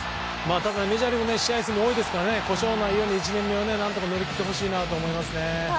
ただ、メジャーリーグは試合数も多いので故障がないように１年目を何とか乗り切ってほしいなと思いますね。